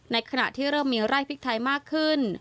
ขณะที่เริ่มมีไร่พริกไทยมากขึ้น